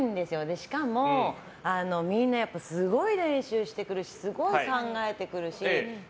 しかも、みんなすごい練習してくるしすごい考えてくるし。